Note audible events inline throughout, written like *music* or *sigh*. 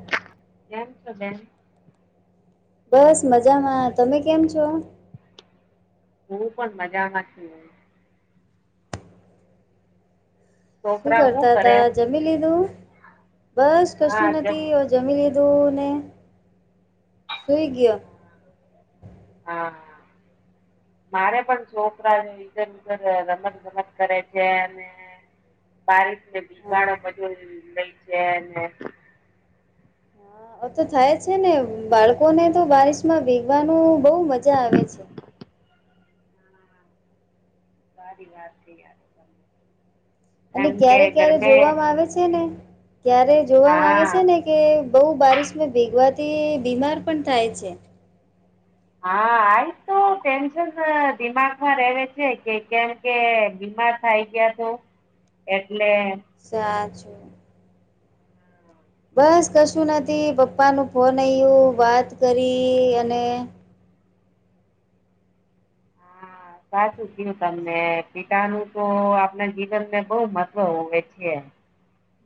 *unintelligible* કેમ છો બેન? બસ મજામાં. તમે કેમ છો? હું પણ મજા છું. શું છોકરા હું કરતા કરે હતા, જમી લીધું. બસ હા કશું જમ નથી. જમી લીધું ને, સુઈ ગયો. હા મારે પણ છોકરા ધરધર રમત ગમત કરે છે અને બારીફ ને હા બીજાડો મજો લઈ છે *unintelligible* હા તો થાય છે ને, બાળકોને તો બારિશમાં ભીગવાનું બહુ મજા આવે છે. સારી વાત છે અને ક્યારે ક્યારે જોવામાં આવે છે ને, ક્યારે જોવામાં આવે હા છે ને કે બહુ બારીશમાં ભીગવાથી બીમાર પણ થાય છે. હા આતુ બહુ ટેન્શન દિમાગમાં રહે છે કે, કેમ કે બીમાર થાય ગયા તો એટલે સાચું બસ કશું નથી. પપ્પાનું ફોન આયો, વાત કરી અને હા સાચું કયું તમને પિતા નું તો આપણા જીવનને બહુ મહત્વ હોવે છે.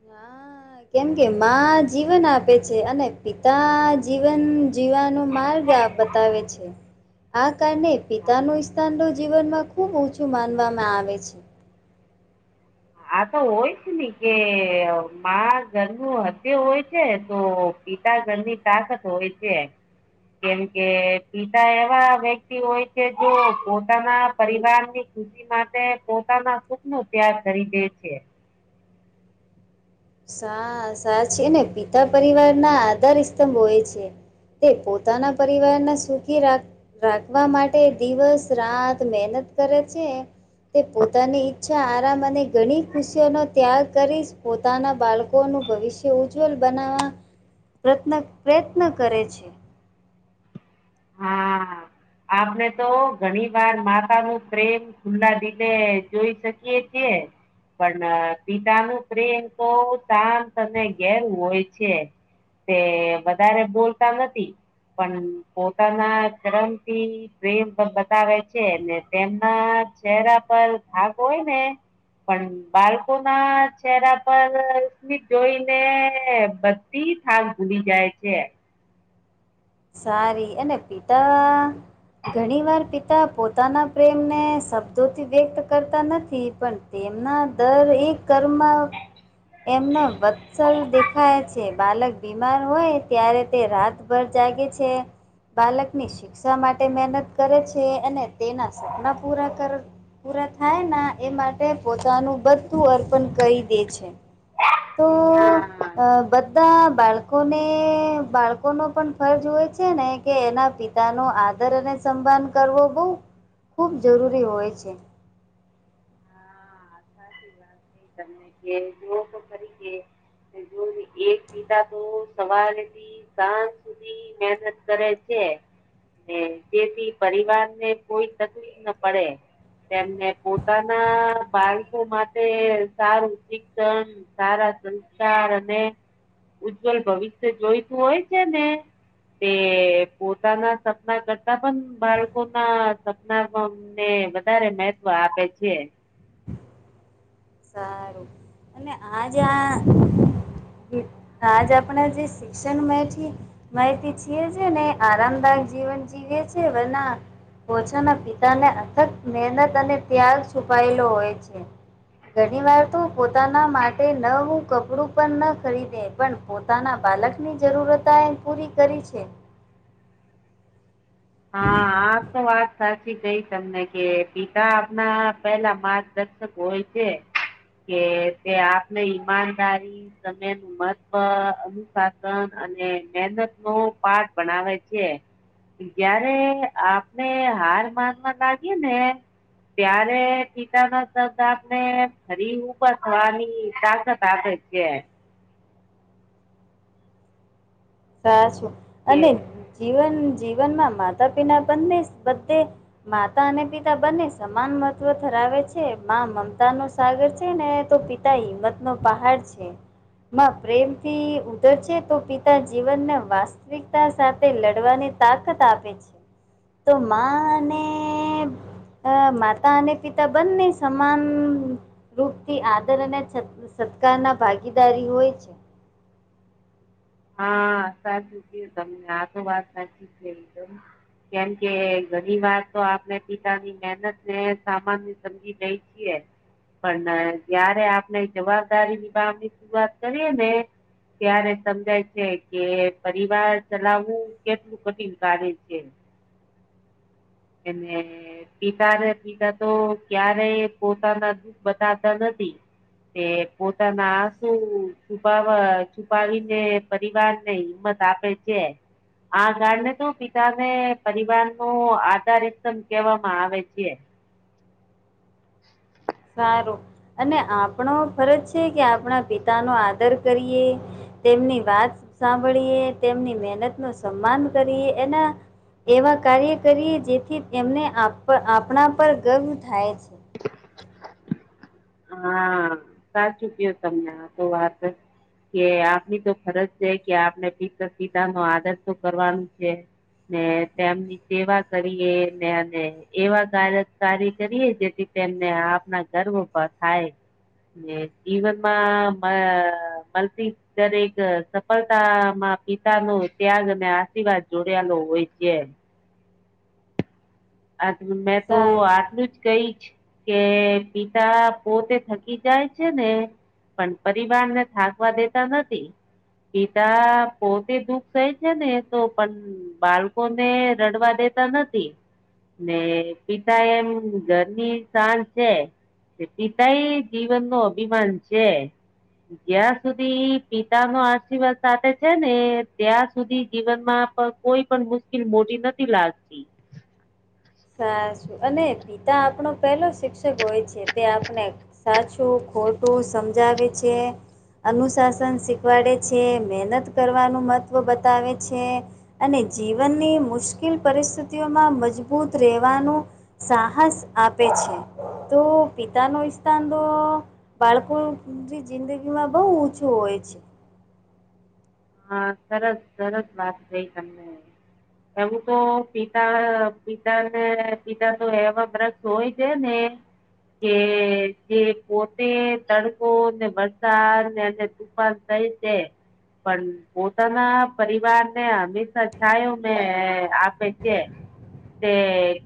હા કેમ કે, માં જીવન આપે છે અને પિતા જીવન જીવવાનું માર્ગ આ બતાવે છે. આ કારણે પિતા નુ સ્થાન તો જીવનમાં ખુબ ઓછું માનવામાં આવે છે. આ તો પિતા ઘરની તાકત હોય છે. કેમ કે, પિતા એવા વ્યક્તિ હોય છે જો પોતાના પરિવાર ની ખુશી માટે પોતાના સુખ નો ત્યાગ કરી દે છે. સા સાચને પિતા પરિવાર ના આધાર સ્તંભ તે પોતાના પરિવારના સુખી રાખ રાખવા માટે દિવસ-રાત મહેનત કરે છે. તે પોતાની ઈચ્છા, આરામ અને ઘણી ખુશીઓનો ત્યાગ કરીશ પો પોતાના બાળકોનું ભવિષ્ય ઉજ્જવલ બનાવવા પ્રત્ન પ્રયત્ન કરે છે. હા આપને તો ઘણી વાર માતા નું પ્રેમ ખુલ્લા દિલે જોઈ શકીએ છીએ. પણ પિતા નું પ્રેમ તો શાંત અને ઘેરુ હોય છે તે વધારે બોલતા નથી પણ પોતાના ચરન એ... ક્રિમ પણ બતાવે છે અને તેમના ચહેરા પર થાક હોય ને પણ બાળકો ના ચહેરા પર સ્મિત જોઈને બધ તી થાક ભૂલી જાય છે. સારી અને પિતા ઘણી વાર પિતા પોતાના પ્રેમને શબ્દોથી વ્યક્ત કરતા નથી. પણ, તેમના દર એ કર્મ એમનો વત્સલ દેખાય છે. બાલક બીમાર હોય ત્યારે તે રાતભર જાગે છે. બાલકની શ શિક્ષા માટે મહેનત કરે છે. અને તેના સપના પૂરા કર પૂરા થાય ના એ માટે પોતાનું બધું અર્પણ કરી દે છે. તો હા અ બધા બાળ કોને બાળકો નો પણ ફર્જ હોય. છે ને કે એના પિતા ન આદર અને સંમાન કરવો બહ ખૂબ જરૂરી હોય છે હા સાચી વાત થ તમે કે જુ તો કરીરીકે જો એક પીતા તો સવારે સાંજ સુધી મહેનત કરે છે. ને તેથી પરિવાર ને કોઈ તકલીફ ના પડે. તેમને પોતાના ભાઈ ઓ માટે સારું શિક્ષણ સારા સંસ્કાર અને ઉજ્જવલ ભવિષ્ય જોઈતું હોય છે ને તે પોતાના સપના કરતા પણ બાળકો ના સપના પણ ને વધારે મેહત્વ આપે છે. સારું અને આ જ્યાં હામ આજ આપણા જે શિક્ષણ મળે છે. માહિતી છીએ છે ને આરામદાયક જીવન જીવીએ છે વરના ઓછાના પિતાને અથત મહેનત અને ત્યાગ છુપાયેલો હોય છે. ઘણી વાર તો પોતાના માટે ન હું કપડું પણ ન ખરીદે પણ પોતાના બાલકની જરૂરતાએ પૂરી કરી છે. હા હા આ તો વાત સાચી કઈ તમને કે પિતા આપના પેલા માર્ગદર્શક હોય છે. કે તે આપને ઈમાનદારી *unintelligible* મહત્વ અનુશાસન અને મહેનત નો પાઠ ભણાવ છે. જયારે આપને હાર માનવા લાગી ને ત્યારે પિતા ના શબ્દ આપણે ફરી ઊભા થવાની *unintelligible* *unintelligible* સાચું કે અને જીવન જીવનમાં માતા પિના બંને બધે માતા અને પિતા બંને સમાન મહત્વ ધરાવે છે માં મમતા નો સાગર છે ને તો પિત પિતા હિંમત નો પહાડ છે માં પ્રેમથી ઉધર છે તો પિતા જી જીવના વાસ્તવિકતા સાથે લડવાની તાકત આપે છે. તો માં ને અ માતા અને પિતા બંને સમાન રૂપ થી આદર અને સત્ સત્કાર ના ભાગીદારી હોય છે. હા સાચું કીધું તમને આ તો વાત સાચી છે એકદમ. કેમ કે ઘણી વાર તો આપણે પિતાની મહેનત ને સામાન સમજી જઈ જીએ પણ જયારે આપણે જવાબદારી વિભાગની વાત કરીએ ને ત્યારે સમજાય છે કે પરિવાર ચલાવવું કેટલું કઠિન કાર્ય છે. એને ને પિતા રે પિતા તો ક્યારેય પોતાના દુઃખ બતાવતા નથી. તે પોતાના આશુ છુપાવવા છુપાવી જે પરિવાર ને હિંમત આપે છે. આ ગળ ને તો પિતા ને પરિવાર નો આધાર રીધમ કહેવામાં આવે છે. સારું અને આપણો ફરજ છે કે આપણા પિતા નો આદર કરીએ તેમની વાત સાંભળીએ તેમની મહેનત નો સન્માન કરીએ એના એવા કાર્ય કરીએ જેથી તેમણે આપ આપણા પર ગર્વ થાય છે. હા સાચુંકયો તમને આ તો વાત કે આપની તો ફરજ છે કે આપને પિત પિતા નો આદર તો કરવાનું છે. ને તેમની સેવા કરીએ ને અને એવા કારણ કાર્ય કરીએ જેથી તેમને આપના ગર્વ પર થાય ને જીવનમાં મા મળતી દરેક સફળતામાં પિતા નો ત્યાગ અને આશીર્વાદ જોડાયેલો હોય છે. આટલું મેં તો સારું આટલું જ કઈ જ કે પિતા પોતે થકી જાય છે ને પણ પરિવાર ને થાકવા દેતા નથી. પિતા પોતે દુઃખ થાય છે ને તો પણ બાળકો ને રડવા દેતા નથી ને પિતા એમ ઘરની સાંજ છે પિતા એ જીવન નો અભિમાન છે જ્યાં સુધી પિતા નો આશીર્વાદ સાથે છે ને ત્યાં સુધી જીવનમાં કોઈ પણ મુશ્કેલ મોટી નથી લાગતી સાું અને પિતા આપણો પહેલો શિક્ષક હોય છે તે આપણે સાચું ખોટું સમજાવે છે અનુશાસન શીખવાડે છે મહેનત કરવાનું મહત્ત્વ બતાવે છે અને જીવનની મુશ્કેલ પરિસ્થિતિઓમાં મજબૂત રહેવાનું સાહસ આપે છે તો પિતા ન સ્થાન તો બાળકોની જિંદગીમાં બહુ ઓછું હોય છે હા સરસ સરસ વાત કઈ તમે એવું તો પિતા પિતાને પિતા તો એવા બ્ર હોય છે ને કે જે પોતે તડકોને વરસાદ ને ઉપાસ જાય તે પણ પોતાના પરિવાર ને હંમેશા છાય મેં આપે છે તે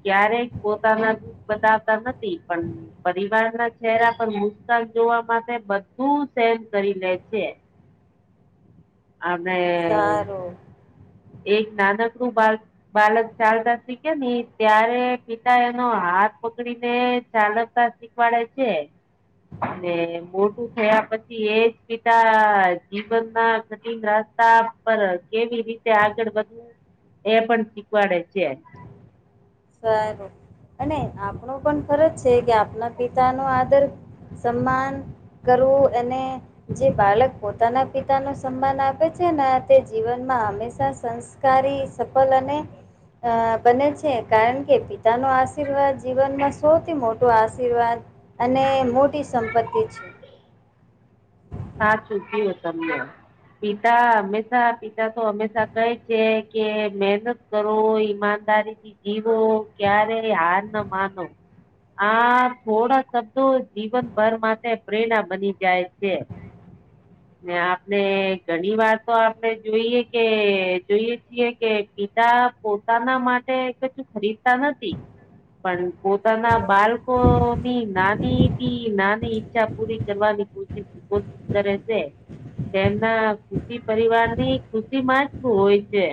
ક્યારેય પોતાના બતાવતા નથી પણ પરિવાર ના ચહેરા પર મુશકાન જોવા માટે બધું સેન કરી લે છે અનેમે સારું એક નાનક નું બાળ બાલક ચાલતા શીખે નને ત્યારે પિતા એનો હાથ પકડી ને ચાલવતા પડે છે મોટું થયા પછી એજ પિતા જીવનમાં કઠિન રા સ્તા પર કેવી રીતે આગળ વધવું એ પણ શીખવાડે છે સારું અને આપણો પણ ખરજ છે કે આપના પિતા નો આદર સન્માન કરવું એને જે બાળક પોતાના પિતા ન સન્માન આપે છે ને તે જીવનમાં હંમેશા સંસ કારી સફલ અને અ બને છે કારણ કે પિતા ન આશીર્વાદ જીવનમાં સૌથી મોટો આશીર્વાદ અને મોટી સંપત્તિ છે સાચું કું તમને પિતા હંમેશા પિતા તો હંમેશા કહે છે કે મહેનત કરો ઈમાનદારી થી જીવો ક્યારે હાર ના માનો આ થોડા શબ્દો જીવનભર માટે પ્રેરણા બની જાય છે આપણે ઘણી વાર તો આપણે જોઈએ કે જોઈએ છીએ કે પિતા પોતાના માટે કું ખરીદતા નથી પણ પોતાના બાળકોની નાની થી નાની ઈછા પૂરી કરવાની કોશ કોશિશ કરે તેમના ખુશી પરિવાર ની ખુશી માં જું હોય છે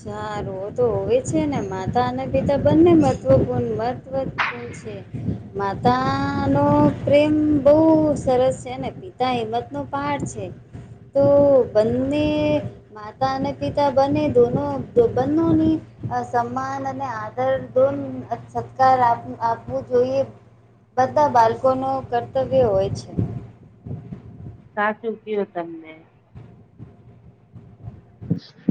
સારું તો હોવી છે ને માતા અને પિતા બંને મહત્વપૂર્ણ મહત્વપૂર્ણ માતા નો પ્રેમ બહ સરસ છે ને બધા હિંમત નો પહડ છે તો બનેને માતા અને પિતા બંને દોનો બંધો ન સન્માન અને આદર દોન સત્કાર આપવું જોઈએ બધા બાળકો ન કર્તવ્ય હોય છે સાચું કું તમને *inaudible*